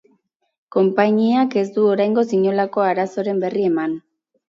Konpainiak ez du oraingoz inolako arazoren berri eman.